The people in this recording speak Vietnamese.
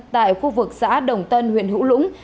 tại khu vực xã đồng tân huyện hữu lũng